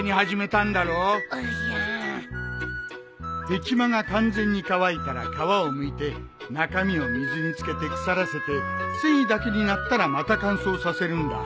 ヘチマが完全に乾いたら皮をむいて中身を水に漬けて腐らせて繊維だけになったらまた乾燥させるんだ。